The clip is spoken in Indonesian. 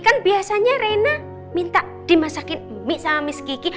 kan biasanya reina minta dimasakin mie sama miss kiki